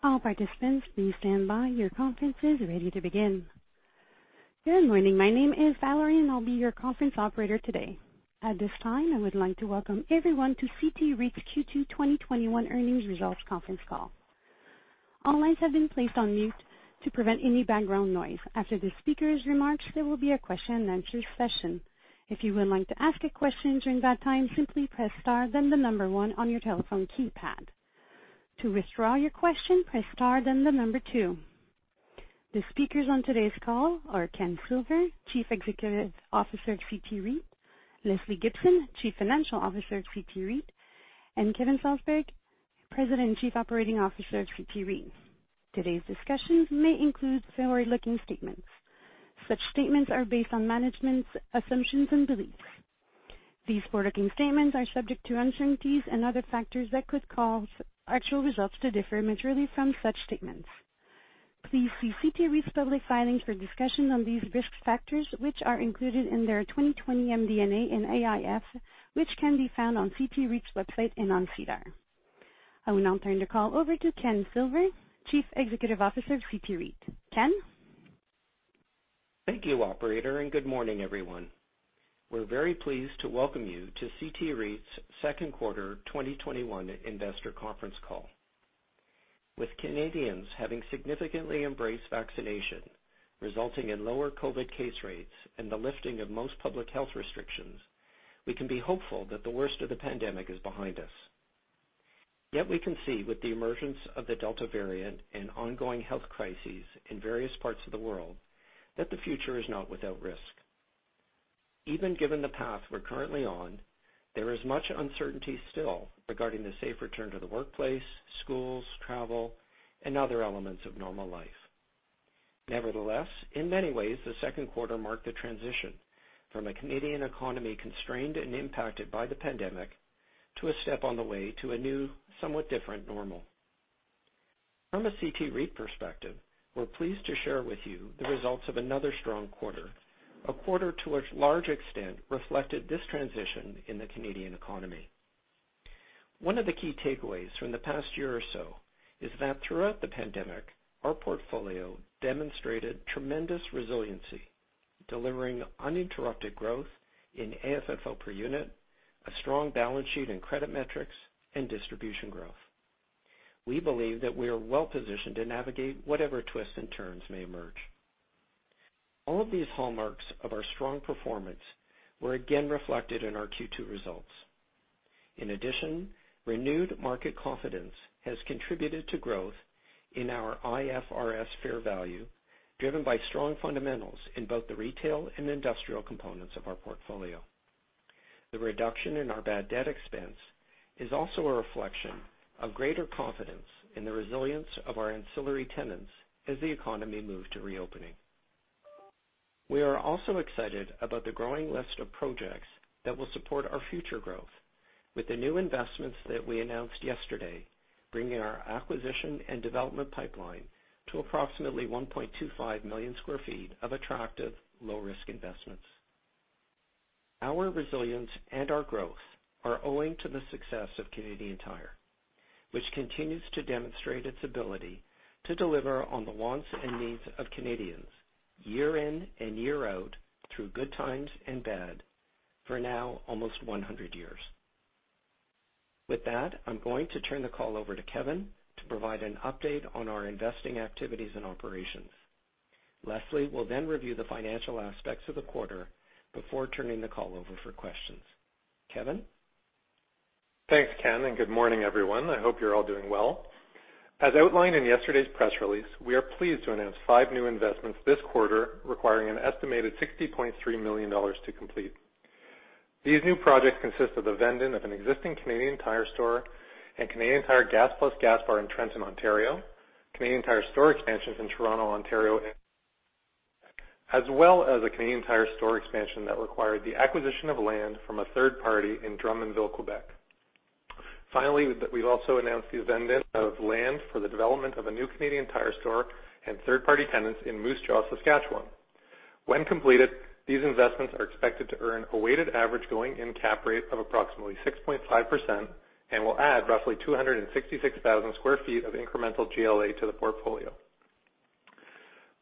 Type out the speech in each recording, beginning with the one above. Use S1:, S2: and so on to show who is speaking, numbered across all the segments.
S1: Good morning. My name is Valerie, and I'll be your conference operator today. At this time, I would like to welcome everyone to CT REIT's Q2 2021 earnings results conference call. All lines have been placed on mute to prevent any background noise. After the speakers' remarks, there will be a question and answer session. If you would like to ask a question during that time, simply press star then number one on your telephone keypad. To withdraw your question, press star then number two. The speakers on today's call are Ken Silver, Chief Executive Officer at CT REIT, Lesley Gibson, Chief Financial Officer at CT REIT, and Kevin Salsberg, President and Chief Operating Officer at CT REIT. Today's discussions may include forward-looking statements. Such statements are based on management's assumptions and beliefs. These forward-looking statements are subject to uncertainties and other factors that could cause actual results to differ materially from such statements. Please see CT REIT's public filings for discussion on these risk factors, which are included in their 2020 MD&A and AIF, which can be found on CT REIT's website and on SEDAR. I will now turn the call over to Ken Silver, Chief Executive Officer of CT REIT. Ken?
S2: Thank you, operator, and good morning, everyone. We're very pleased to welcome you to CT REIT's second quarter 2021 investor conference call. With Canadians having significantly embraced vaccination, resulting in lower COVID case rates and the lifting of most public health restrictions, we can be hopeful that the worst of the pandemic is behind us. We can see with the emergence of the Delta variant and ongoing health crises in various parts of the world that the future is not without risk. Even given the path we're currently on, there is much uncertainty still regarding the safe return to the workplace, schools, travel, and other elements of normal life. Nevertheless, in many ways, the second quarter marked a transition from a Canadian economy constrained and impacted by the pandemic to a step on the way to a new, somewhat different normal. From a CT REIT perspective, we're pleased to share with you the results of another strong quarter, a quarter to a large extent reflected this transition in the Canadian economy. One of the key takeaways from the past year or so is that throughout the pandemic, our portfolio demonstrated tremendous resiliency, delivering uninterrupted growth in AFFO per unit, a strong balance sheet in credit metrics, and distribution growth. We believe that we are well-positioned to navigate whatever twists and turns may emerge. All of these hallmarks of our strong performance were again reflected in our Q2 results. In addition, renewed market confidence has contributed to growth in our IFRS fair value, driven by strong fundamentals in both the retail and industrial components of our portfolio. The reduction in our bad debt expense is also a reflection of greater confidence in the resilience of our ancillary tenants as the economy moved to reopening. We are also excited about the growing list of projects that will support our future growth. With the new investments that we announced yesterday, bringing our acquisition and development pipeline to approximately 1.25 million sq ft of attractive low-risk investments. Our resilience and our growth are owing to the success of Canadian Tire, which continues to demonstrate its ability to deliver on the wants and needs of Canadians year in and year out, through good times and bad, for now almost 100 years. With that, I'm going to turn the call over to Kevin to provide an update on our investing activities and operations. Lesley will review the financial aspects of the quarter before turning the call over for questions. Kevin?
S3: Thanks, Ken, and good morning, everyone. I hope you're all doing well. As outlined in yesterday's press release, we are pleased to announce five new investments this quarter, requiring an estimated 60.3 million dollars to complete. These new projects consist of the vend-in of an existing Canadian Tire store and Canadian Tire Gas+ gas bar in Trenton, Ontario, Canadian Tire store expansions in Toronto, Ontario, as well as a Canadian Tire store expansion that required the acquisition of land from a third party in Drummondville, Quebec. Finally, we've also announced the vend-in of land for the development of a new Canadian Tire store and third-party tenants in Moose Jaw, Saskatchewan. When completed, these investments are expected to earn a weighted average going-in cap rate of approximately 6.5% and will add roughly 266,000 sq ft of incremental GLA to the portfolio.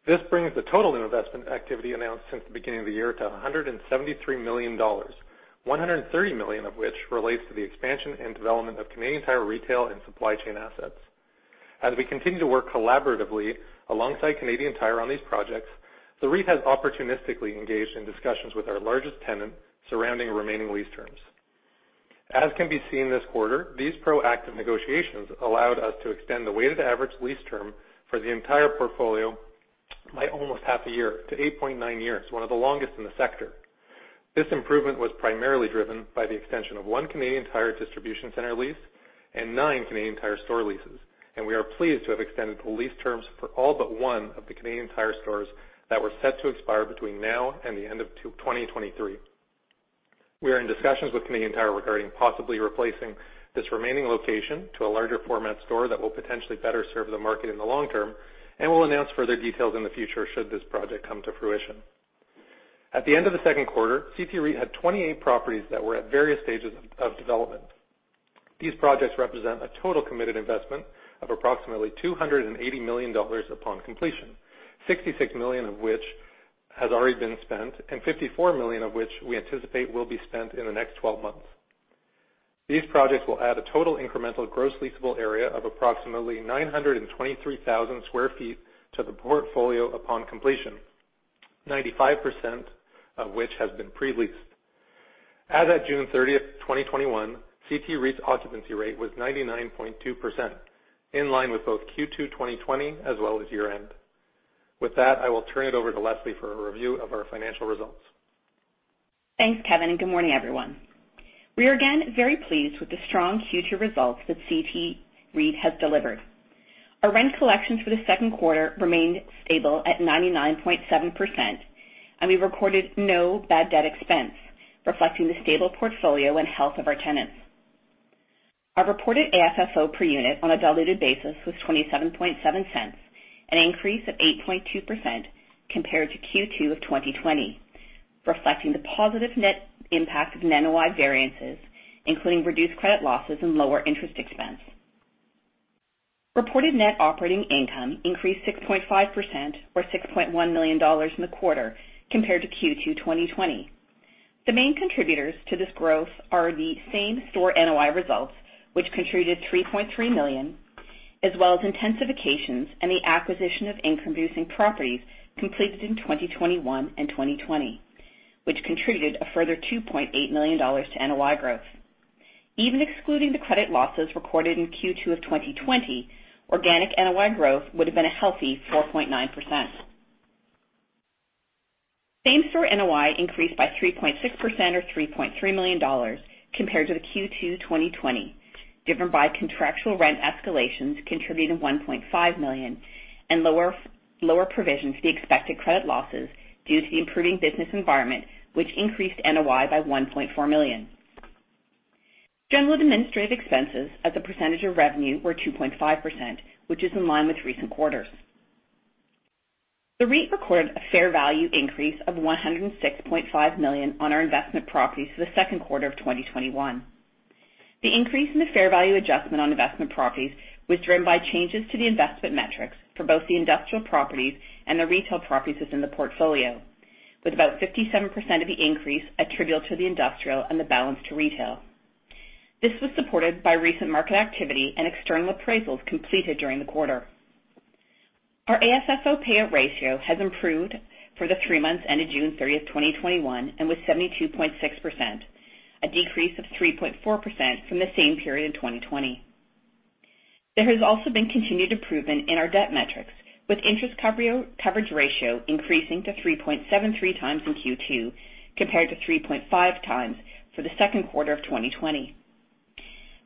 S3: This brings the total investment activity announced since the beginning of the year to 173 million dollars. 130 million of which relates to the expansion and development of Canadian Tire retail and supply chain assets. As we continue to work collaboratively alongside Canadian Tire on these projects, the REIT has opportunistically engaged in discussions with our largest tenant surrounding remaining lease terms. As can be seen this quarter, these proactive negotiations allowed us to extend the weighted average lease term for the entire portfolio by almost half a year to 8.9 years, one of the longest in the sector. This improvement was primarily driven by the extension of one Canadian Tire distribution center lease and nine Canadian Tire store leases. We are pleased to have extended the lease terms for all but one of the Canadian Tire stores that were set to expire between now and the end of 2023. We are in discussions with Canadian Tire regarding possibly replacing this remaining location to a larger format store that will potentially better serve the market in the long term, and we'll announce further details in the future should this project come to fruition. At the end of the second quarter, CT REIT had 28 properties that were at various stages of development. These projects represent a total committed investment of approximately 280 million dollars upon completion, 66 million of which has already been spent, and 54 million of which we anticipate will be spent in the next 12 months. These projects will add a total incremental gross leasable area of approximately 923,000 sq ft to the portfolio upon completion, 95% of which has been pre-leased. As of June 30th, 2021, CT REIT's occupancy rate was 99.2%, in line with both Q2 2020 as well as year-end. With that, I will turn it over to Lesley for a review of our financial results.
S4: Thanks, Kevin, and good morning, everyone. We are again very pleased with the strong Q2 results that CT REIT has delivered. Our rent collections for the second quarter remained stable at 99.7%, and we recorded no bad debt expense, reflecting the stable portfolio and health of our tenants. Our reported AFFO per unit on a diluted basis was 0.277, an increase of 8.2% compared to Q2 2020, reflecting the positive net impact of NOI variances, including reduced credit losses and lower interest expense. Reported Net Operating Income increased 6.5%, or 6.1 million dollars in the quarter compared to Q2 2020. The main contributors to this growth are the same-store NOI results, which contributed 3.3 million, as well as intensifications and the acquisition of income-producing properties completed in 2021 and 2020, which contributed a further 2.8 million dollars to NOI growth. Even excluding the credit losses recorded in Q2 of 2020, organic NOI growth would've been a healthy 4.9%. Same-store NOI increased by 3.6%, or 3.3 million dollars compared to the Q2 2020, driven by contractual rent escalations contributing 1.5 million, and lower provisions for the expected credit losses due to the improving business environment, which increased NOI by 1.4 million. General administrative expenses as a percentage of revenue were 2.5%, which is in line with recent quarters. The REIT recorded a fair value increase of 106.5 million on our investment properties for the second quarter of 2021. The increase in the fair value adjustment on investment properties was driven by changes to the investment metrics for both the industrial properties and the retail properties within the portfolio, with about 57% of the increase attributable to the industrial and the balance to retail. This was supported by recent market activity and external appraisals completed during the quarter. Our AFFO payout ratio has improved for the three months ended June 30th, 2021, and was 72.6%, a decrease of 3.4% from the same period in 2020. There has also been continued improvement in our debt metrics, with interest coverage ratio increasing to 3.73x in Q2 compared to 3.5x for the second quarter of 2020.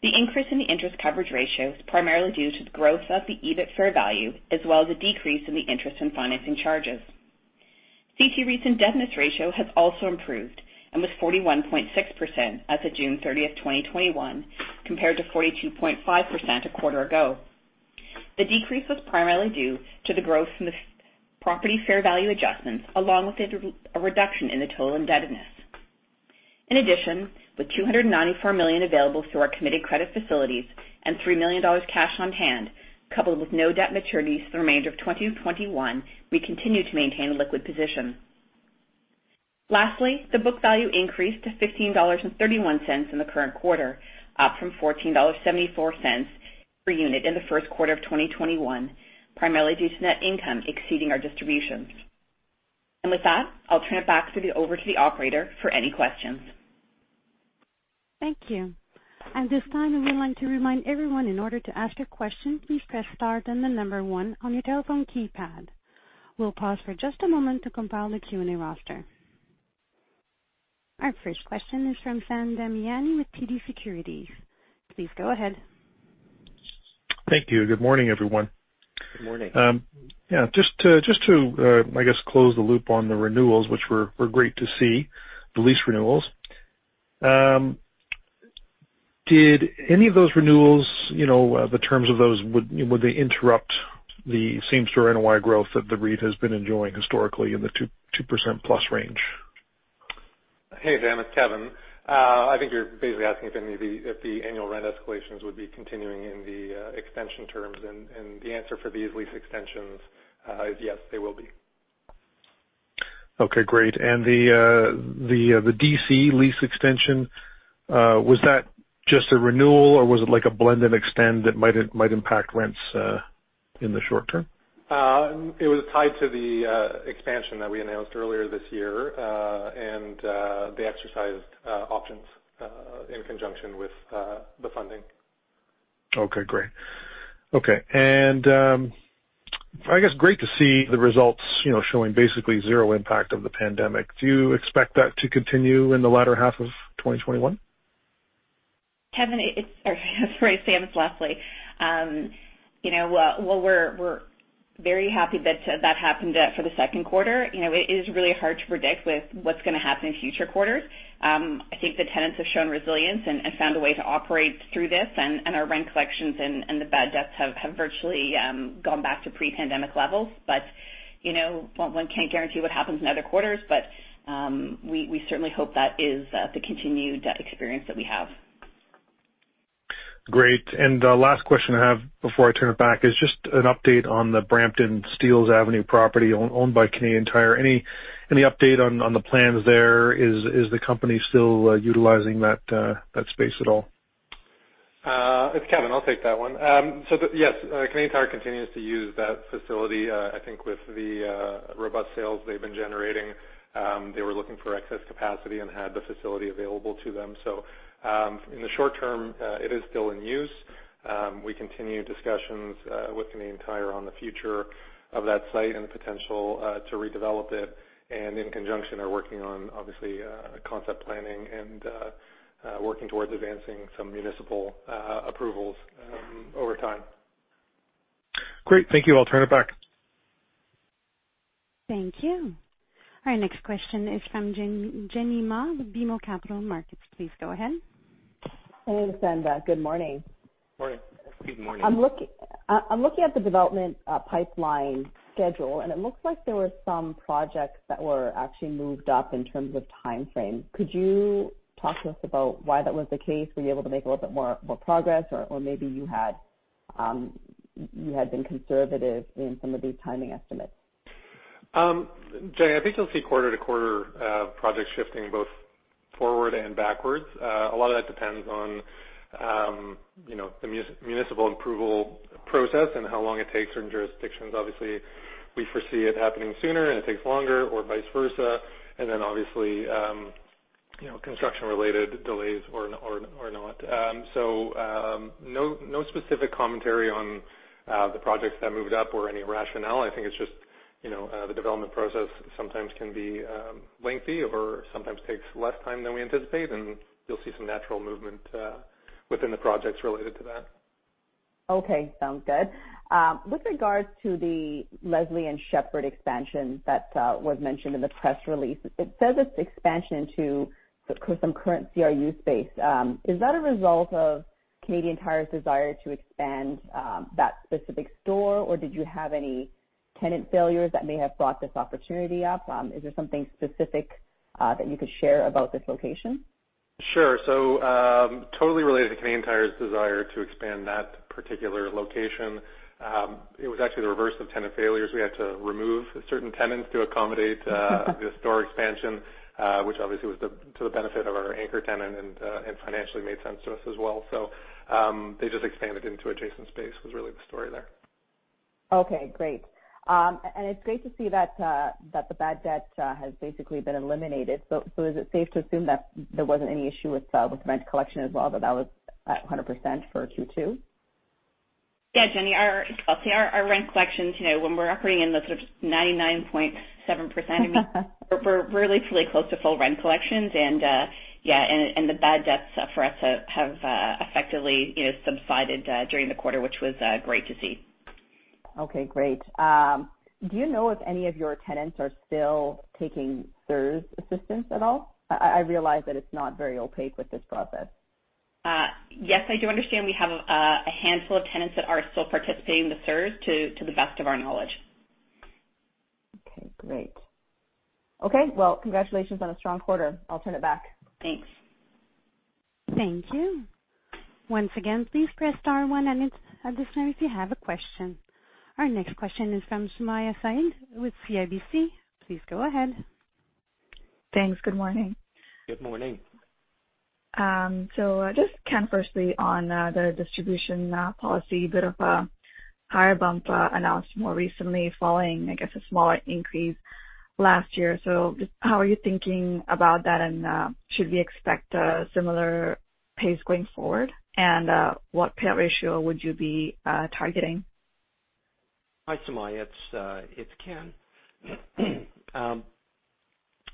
S4: The increase in the interest coverage ratio is primarily due to the growth of the EBIT fair value, as well as a decrease in the interest in financing charges. CT REIT's indebtedness ratio has also improved and was 41.6% as of June 30th, 2021, compared to 42.5% a quarter ago. The decrease was primarily due to the growth from the property fair value adjustments, along with a reduction in the total indebtedness. With 294 million available through our committed credit facilities and 3 million dollars cash on hand, coupled with no debt maturities for the remainder of 2021, we continue to maintain a liquid position. The book value increased to 15.31 dollars in the current quarter, up from 14.74 dollars per unit in the first quarter of 2021, primarily due to net income exceeding our distributions. With that, I'll turn it back over to the operator for any questions.
S1: Thank you. At this time, we want to remind everyone, in order to ask a question, please press star then the number one on your telephone keypad. We'll pause for just a moment to compile the Q&A roster. Our first question is from Sam Damiani with TD Securities. Please go ahead.
S5: Thank you. Good morning, everyone.
S3: Good morning.
S5: Just to, I guess, close the loop on the renewals, which were great to see, the lease renewals. Did any of those renewals, the terms of those, would they interrupt the same-store NOI growth that the REIT has been enjoying historically in the 2%+ range?
S3: Hey, Sam, it's Kevin. I think you're basically asking if the annual rent escalations would be continuing in the extension terms. The answer for these lease extensions is yes, they will be.
S5: Okay, great. The D.C. lease extension, was that just a renewal, or was it like a blend and extend that might impact rents in the short term?
S3: It was tied to the expansion that we announced earlier this year, and they exercised options in conjunction with the funding.
S5: Okay, great. Okay. I guess great to see the results showing basically zero impact of the pandemic. Do you expect that to continue in the latter half of 2021?
S4: Kevin, or sorry, Sam, it's Lesley. We're very happy that happened for the second quarter. It is really hard to predict with what's going to happen in future quarters. I think the tenants have shown resilience and have found a way to operate through this, and our rent collections and the bad debts have virtually gone back to pre-pandemic levels. One can't guarantee what happens in other quarters. We certainly hope that is the continued experience that we have.
S5: Great. The last question I have before I turn it back is just an update on the Brampton Steeles Avenue property owned by Canadian Tire. Any update on the plans there? Is the company still utilizing that space at all?
S3: It's Kevin. I'll take that one. Yes, Canadian Tire continues to use that facility. I think with the robust sales they've been generating, they were looking for excess capacity and had the facility available to them. In the short term, it is still in use. We continue discussions with Canadian Tire on the future of that site and the potential to redevelop it, and in conjunction are working on, obviously, concept planning and working towards advancing some municipal approvals over time.
S5: Great. Thank you. I'll turn it back.
S1: Thank you. Our next question is from Jenny Ma with BMO Capital Markets. Please go ahead.
S6: Jenny Ma. Good morning.
S3: Morning.
S2: Good morning.
S6: I'm looking at the development pipeline schedule. It looks like there were some projects that were actually moved up in terms of timeframe. Could you talk to us about why that was the case? Were you able to make a little bit more progress, or maybe you had been conservative in some of these timing estimates?
S3: Jenny, I think you'll see quarter-over-quarter projects shifting both forward and backwards. A lot of that depends on the municipal approval process and how long it takes in jurisdictions. Obviously, we foresee it happening sooner and it takes longer, or vice versa, then obviously, construction-related delays or not. No specific commentary on the projects that moved up or any rationale. I think it's just the development process sometimes can be lengthy or sometimes takes less time than we anticipate, and you'll see some natural movement within the projects related to that.
S6: Okay, sounds good. With regards to the Lesley and Sheppard expansion that was mentioned in the press release, it says it's expansion to some current CRU space. Is that a result of Canadian Tire's desire to expand that specific store, or did you have any tenant failures that may have brought this opportunity up? Is there something specific that you could share about this location?
S3: Sure. Totally related to Canadian Tire's desire to expand that particular location. It was actually the reverse of tenant failures. We had to remove certain tenants to accommodate the store expansion, which obviously was to the benefit of our anchor tenant and financially made sense to us as well. They just expanded into adjacent space, was really the story there.
S6: Okay, great. It's great to see that the bad debt has basically been eliminated. Is it safe to assume that there wasn't any issue with rent collection as well, that that was at 100% for Q2?
S4: Yeah, Jenny. I'll say our rent collections, when we're operating in the sort of 99.7%, we're really close to full rent collections, and the bad debts for us have effectively subsided during the quarter, which was great to see.
S6: Okay, great. Do you know if any of your tenants are still taking CERS assistance at all? I realize that it's not very opaque with this process.
S4: Yes, I do understand we have a handful of tenants that are still participating in the CERS to the best of our knowledge.
S6: Okay, great. Okay, well, congratulations on a strong quarter. I'll turn it back.
S4: Thanks.
S1: Thank you. Once again, please press star one and it's additional if you have a question. Our next question is from Sumayya Syed with CIBC. Please go ahead.
S7: Thanks. Good morning.
S2: Good morning.
S7: Just, Ken, firstly on the distribution policy, bit of a higher bump announced more recently following, I guess, a smaller increase last year. Just how are you thinking about that, and should we expect a similar pace going forward? What payout ratio would you be targeting?
S2: Hi, Sumayya, it's Ken.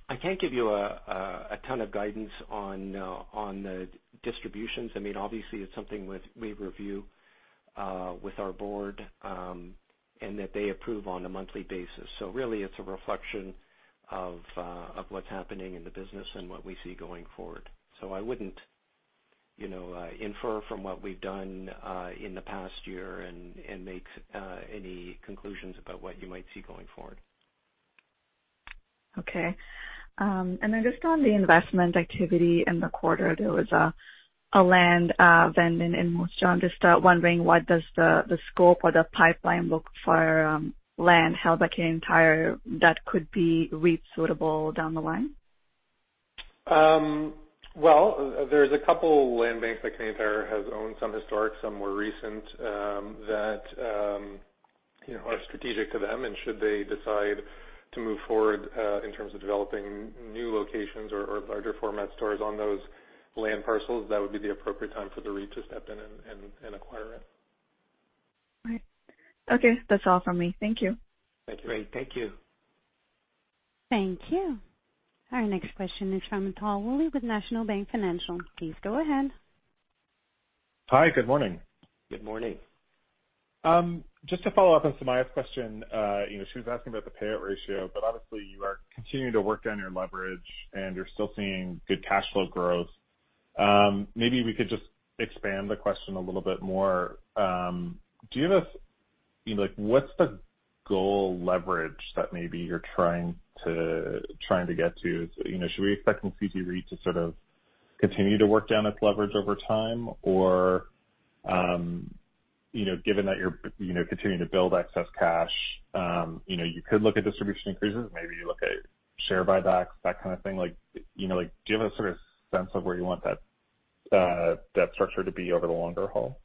S2: I can't give you a ton of guidance on the distributions. Obviously, it's something we review with our board, and that they approve on a monthly basis. Really, it's a reflection of what's happening in the business and what we see going forward. I wouldn't infer from what we've done in the past year and make any conclusions about what you might see going forward.
S7: Okay. Just on the investment activity in the quarter, there was a land vending in Montreal. I'm just wondering, what does the scope or the pipeline look for land held by Canadian Tire that could be REIT suitable down the line?
S3: Well, there's a couple land banks that Canadian Tire has owned, some historic, some more recent, that are strategic to them. Should they decide to move forward in terms of developing new locations or larger format stores on those land parcels, that would be the appropriate time for the REIT to step in and acquire it.
S7: Right. Okay, that's all from me. Thank you.
S2: Thank you. Thank you.
S1: Thank you. Our next question is from Tal Woolley with National Bank Financial. Please go ahead.
S8: Hi, good morning.
S2: Good morning.
S8: Just to follow up on Sumayya's question. She was asking about the payout ratio, but obviously you are continuing to work down your leverage, and you're still seeing good cash flow growth. Maybe we could just expand the question a little bit more. What's the goal leverage that maybe you're trying to get to? Should we expect CT REIT to sort of continue to work down its leverage over time? Given that you're continuing to build excess cash, you could look at distribution increases, maybe you look at share buybacks, that kind of thing. Do you have a sort of sense of where you want that debt structure to be over the longer haul?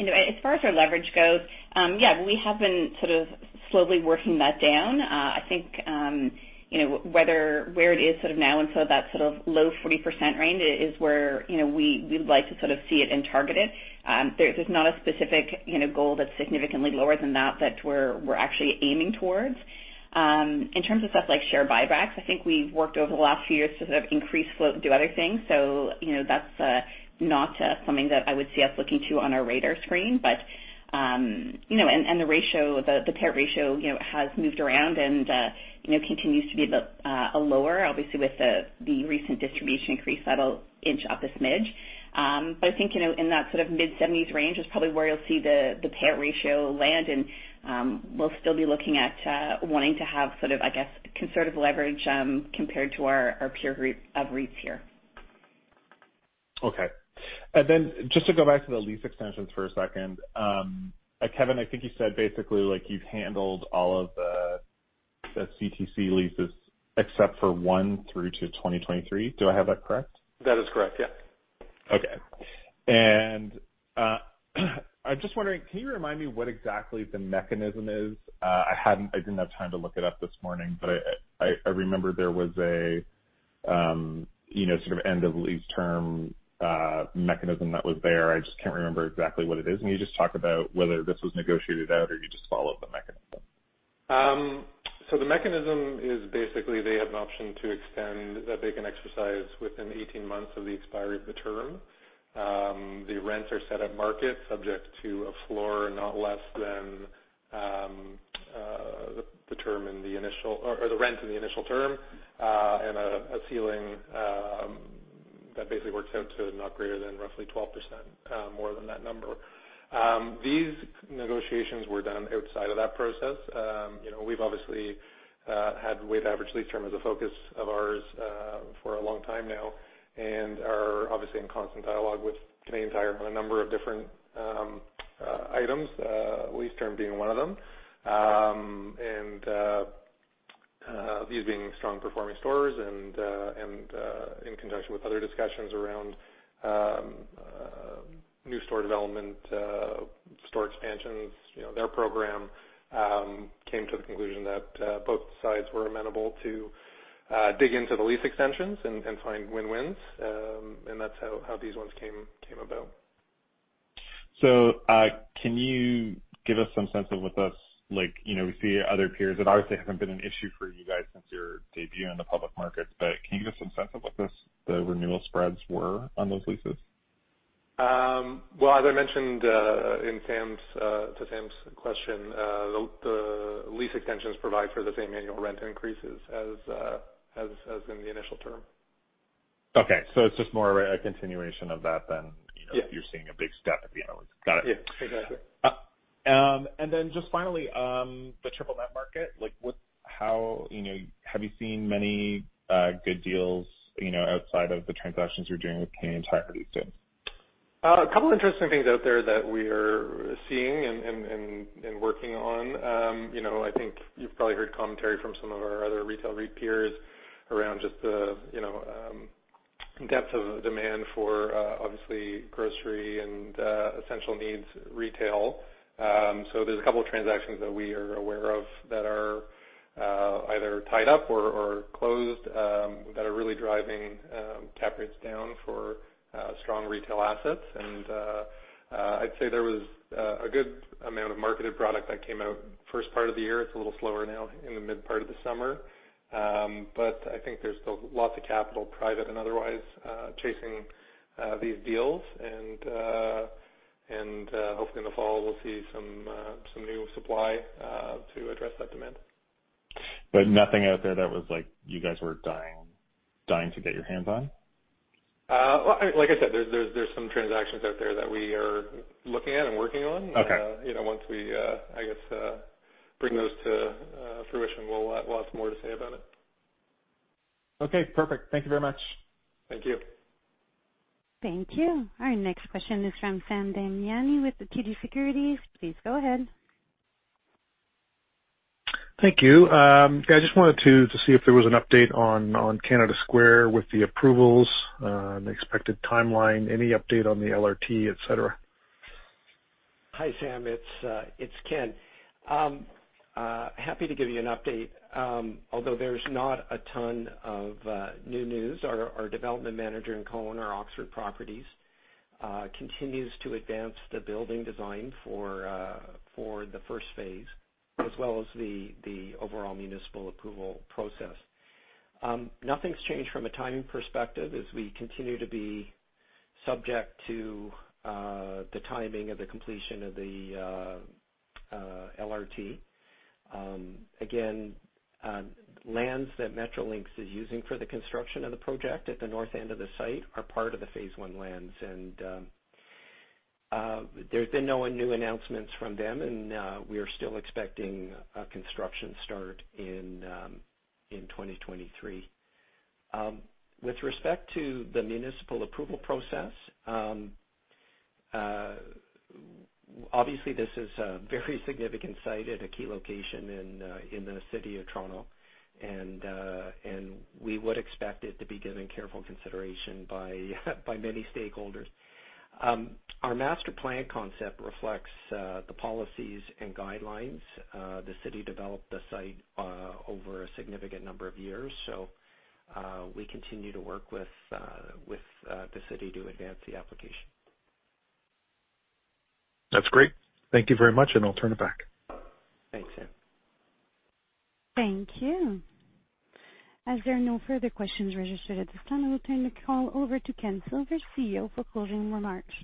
S4: As far as our leverage goes, yeah, we have been sort of slowly working that down. I think where it is sort of now and sort of that sort of low 40% range is where we'd like to sort of see it and target it. There's not a specific goal that's significantly lower than that we're actually aiming towards. In terms of stuff like share buybacks, I think we've worked over the last few years to sort of increase flow to do other things. That's not something that I would see us looking to on our radar screen. The payout ratio has moved around and continues to be a lower, obviously with the recent distribution increase, that'll inch up a smidge. I think, in that sort of mid-70s range is probably where you'll see the payout ratio land. We'll still be looking at wanting to have sort of, I guess, conservative leverage compared to our peer group of REITs here.
S8: Okay. Just to go back to the lease extensions for a second. Kevin, I think you said basically you've handled all of the CTC leases except for one through to 2023. Do I have that correct?
S3: That is correct, yeah.
S8: Okay. I'm just wondering, can you remind me what exactly the mechanism is? I didn't have time to look it up this morning, but I remember there was a sort of end-of-lease term mechanism that was there. I just can't remember exactly what it is. Can you just talk about whether this was negotiated out or you just followed the mechanism?
S3: The mechanism is basically they have an option to extend, that they can exercise within 18 months of the expiry of the term. The rents are set at market subject to a floor not less than the rent in the initial term, and a ceiling that basically works out to not greater than roughly 12% more than that number. These negotiations were done outside of that process. We've obviously had weighted average lease term as a focus of ours for a long time now, and are obviously in constant dialogue with Canadian Tire on a number of different items, lease term being one of them. These being strong performing stores and in conjunction with other discussions around new store development, store expansions, their program came to the conclusion that both sides were amenable to dig into the lease extensions and find win-wins. That's how these ones came about.
S8: We see other peers, and obviously it hasn't been an issue for you guys since your debut in the public markets. Can you give us some sense of what the renewal spreads were on those leases?
S3: Well, as I mentioned to Sam's question, the lease extensions provide for the same annual rent increases as in the initial term.
S8: Okay, it's just more of a continuation of that.
S3: Yeah
S8: You're seeing a big step at the end. Got it.
S3: Yeah. Exactly.
S8: Just finally, the triple net market, have you seen many good deals outside of the transactions you're doing with Canadian Tire recent?
S3: A couple interesting things out there that we are seeing and working on. I think you've probably heard commentary from some of our other retail REIT peers around just the depth of demand for obviously grocery and essential needs retail. There's a couple of transactions that we are aware of that are either tied up or closed, that are really driving cap rates down for strong retail assets. I'd say there was a good amount of marketed product that came out first part of the year. It's a little slower now in the mid part of the summer. I think there's still lots of capital, private and otherwise, chasing these deals. Hopefully in the fall we'll see some new supply to address that demand.
S8: Nothing out there that was like, you guys were dying to get your hands on?
S3: Like I said, there's some transactions out there that we are looking at and working on.
S8: Okay.
S3: Once we, I guess, bring those to fruition, we'll have lots more to say about it.
S8: Okay, perfect. Thank you very much.
S3: Thank you.
S1: Thank you. Our next question is from Sam Damiani with the TD Securities. Please go ahead.
S5: Thank you. I just wanted to see if there was an update on Canada Square with the approvals, the expected timeline, any update on the LRT, et cetera?
S2: Hi, Sam. It's Ken. Happy to give you an update. Although there's not a ton of new news. Our development manager and co-owner, our Oxford Properties, continues to advance the building design for the first phase, as well as the overall municipal approval process. Nothing's changed from a timing perspective as we continue to be subject to the timing of the completion of the LRT. Again, lands that Metrolinx is using for the construction of the project at the north end of the site are part of the phase one lands. There's been no new announcements from them, and we are still expecting a construction start in 2023. With respect to the municipal approval process, obviously this is a very significant site at a key location in the city of Toronto, and we would expect it to be given careful consideration by many stakeholders. Our master plan concept reflects the policies and guidelines. The city developed the site over a significant number of years. We continue to work with the city to advance the application.
S5: That's great. Thank you very much, and I'll turn it back.
S2: Thanks, Sam.
S1: Thank you. As there are no further questions registered at this time, I will turn the call over to Ken Silver, CEO, for closing remarks.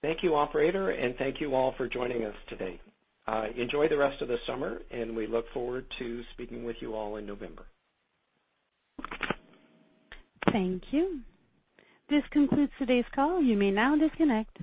S2: Thank you, operator, and thank you all for joining us today. Enjoy the rest of the summer, and we look forward to speaking with you all in November.
S1: Thank you. This concludes today's call. You may now disconnect.